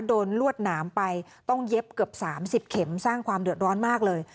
ลวดหนามไปต้องเย็บเกือบ๓๐เข็มสร้างความเดือดร้อนมากเลย